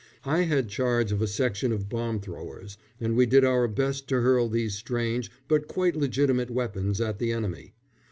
I had charge of a section of bomb throwers, and we did our best to hurl these strange but quite legitimate weapons at the enemy.